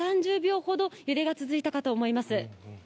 ２、３０秒ほど揺れが続いたかと思います。